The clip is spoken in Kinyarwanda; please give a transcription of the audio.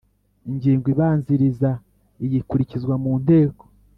Ingingo ibanziriza iyi ikurikizwa munteko